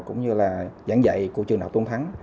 cũng như là giảng dạy của trường đại học tôn thắng